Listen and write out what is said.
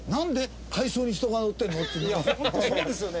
本当そうですよね。